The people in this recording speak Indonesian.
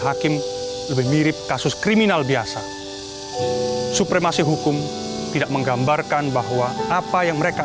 hakim lebih mirip kasus kriminal biasa supremasi hukum tidak menggambarkan bahwa apa yang mereka